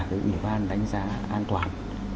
cái ủy ban đánh giá an toàn